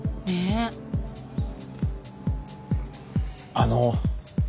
あの。